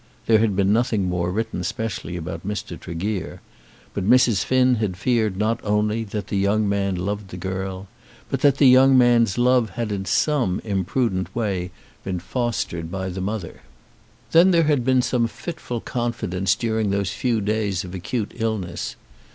There had been nothing more written specially about Mr. Tregear; but Mrs. Finn had feared not only that the young man loved the girl, but that the young man's love had in some imprudent way been fostered by the mother. Then there had been some fitful confidence during those few days of acute illness.